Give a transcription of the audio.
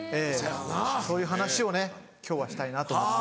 そういう話をね今日はしたいなと思って。